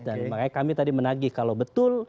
dan kami tadi menagi kalau betul